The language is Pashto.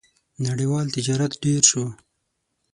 • نړیوال تجارت ډېر شو.